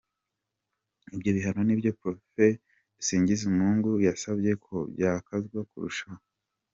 Ibyo bihano nibyo Prof Dusingizemungu yasabye ko byakazwa kurushaho.